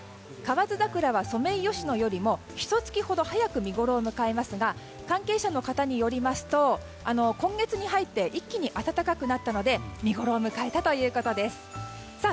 河津桜はソメイヨシノよりもひと月ほど早く見ごろを迎えますが関係者の方によりますと今月に入って一気に暖かくなったので見ごろを迎えたということです。